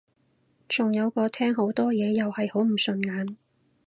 仲有個廳好多嘢又係好唔順眼